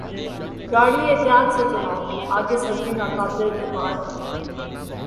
گاڑی احتیاط سے چلاؤ! آگے سڑکیں ناقابل اعتبار ہیں۔